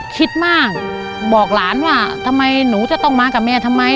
คิดมากบอกหลานว่าทำไมหนูจะต้องมากับแม่ทำไม